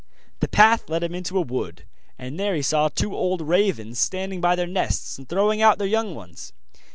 The path led him into a wood, and there he saw two old ravens standing by their nest, and throwing out their young ones.